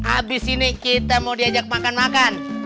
abis ini kita mau diajak makan makan